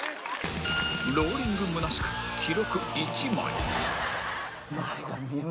ローリングむなしく記録１枚